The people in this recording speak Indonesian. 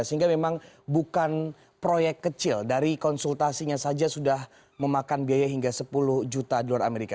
sehingga memang bukan proyek kecil dari konsultasinya saja sudah memakan biaya hingga sepuluh juta dolar amerika